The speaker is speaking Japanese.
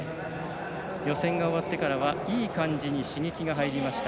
予選が終わってからはいい感じに刺激が入りました。